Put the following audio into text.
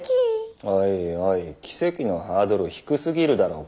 おいおい奇跡のハードル低すぎるだろう。